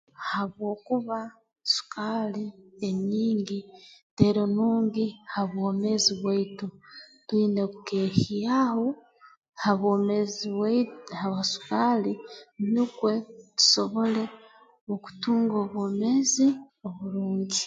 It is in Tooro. Habwokuba sukaali enyingi teri nungi ha bwomeezi bwaitu twine kukeehyaho ha bwomeezi bwaitu ha sukaali nukwe tusobole okutunga obwomeezi oburungi